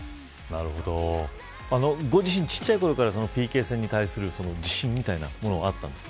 ご自身、小さいころからＰＫ戦に対する自信みたいなものあったんですか。